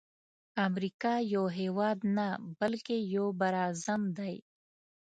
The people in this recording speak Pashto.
امریکا یو هیواد نه بلکی یو بر اعظم دی.